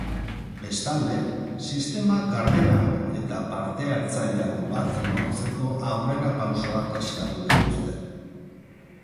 Bestalde, sistema gardenago eta parte-hartzaileago bat lortzeko aurrerapausoak eskatu dituzte.